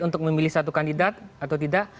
untuk memilih satu kandidat atau tidak